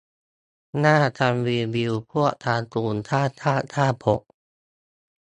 น่าทำรีวิวพวกการ์ตูนข้ามชาติข้ามภพ